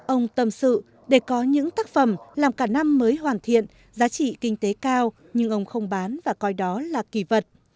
ông tâm sự để có những tác phẩm làm cả năm mới hoàn thiện giá trị kinh tế cao nhưng ông không bán và coi đó là kỳ vật